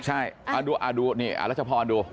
ใช่ดูนี่รัชพรดู